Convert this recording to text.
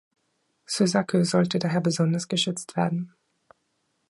Suzaku sollte daher besonders geschützt werden.